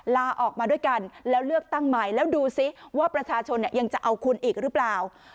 ลาออกมาด้วยกันแล้วเลือกตั้งใหม่แล้วดูซิว่าประชาชนยังจะเอาคุณอีกหรือเปล่า